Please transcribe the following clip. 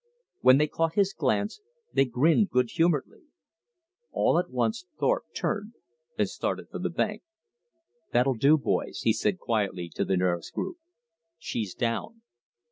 When they caught his glance they grinned good humoredly. All at once Thorpe turned and started for the bank. "That'll do, boys," he said quietly to the nearest group. "She's down!"